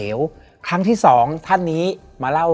และวันนี้แขกรับเชิญที่จะมาเชิญที่เรา